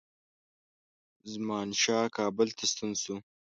زمانشاه کابل ته ستون شو.